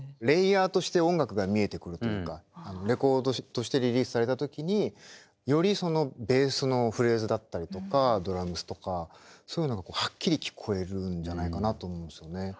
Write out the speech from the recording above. レイヤーとして音楽が見えてくるというかレコードとしてリリースされた時によりそのベースのフレーズだったりとかドラムスとかそういうのがはっきり聞こえるんじゃないかなと思うんですよね。